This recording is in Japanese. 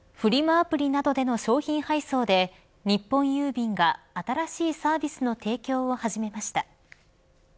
アプリなどでの商品配送で日本郵便が新しいサービスの提供を始めました。